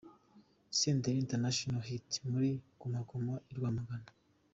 Senderi International Hit muri Guma Guma i Rwamagana.